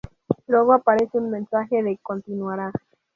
Luego, aparece un mensaje de "Continuará".